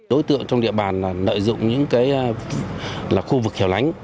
đối tượng trong địa bàn là nợ dụng những cái là khu vực hiểu lánh